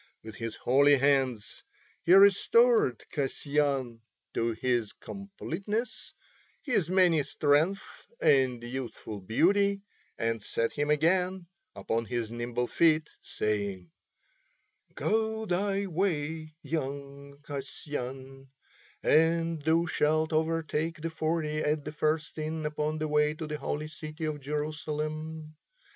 With his holy hands he restored Kasyan to his completeness, his manly strength and youthful beauty, and set him again upon his nimble feet, saying: "Go thy way, young Kasyan, and thou shalt overtake the forty at the first inn upon the way to the holy city of Jerusalem.